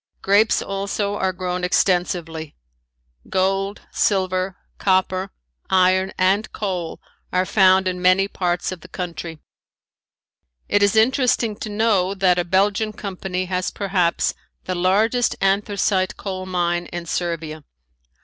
Grapes also are grown extensively. Gold, silver, copper, iron and coal are found in many parts of the country. It is interesting to know that a Belgian company has perhaps the largest anthracite coal mine in Servia.